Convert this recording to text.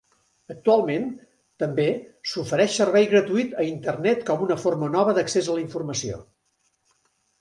Actualment, també, s'ofereix servei gratuït a internet com una forma nova d'accés a la informació.